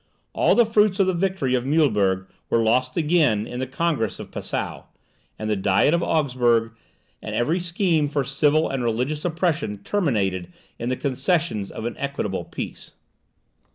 All the fruits of the victory of Muehlberg were lost again in the congress of Passau, and the diet of Augsburg; and every scheme for civil and religious oppression terminated in the concessions of an equitable peace.